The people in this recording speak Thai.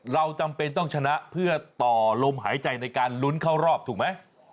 เราจำเป็นต้องชนะเพื่อต่อลมหายใจในการลุ้นเข้ารอบถูกไหม